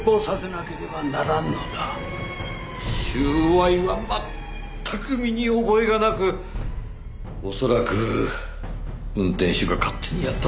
収賄は全く身に覚えがなく恐らく運転手が勝手にやったのではないかと。